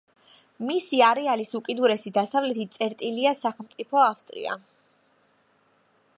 მისი არეალის უკიდურესი დასავლეთი წერტილია სახელმწიფო ავსტრია.